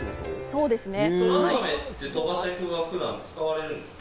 そうですね。